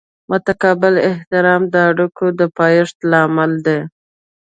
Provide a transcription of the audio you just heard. متقابل احترام د اړیکو د پایښت لامل دی.